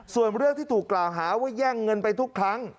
ส่วนเรื่องที่ถูกกล่าวหาว่าแย่งเงินไปทุกครั้ง